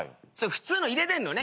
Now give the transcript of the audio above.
普通の入れてんのね？